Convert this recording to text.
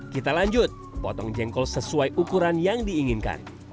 kita lanjut potong jengkol sesuai ukuran yang diinginkan